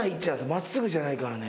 真っすぐじゃないからね。